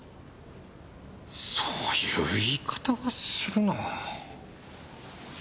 そういう言い方はするな。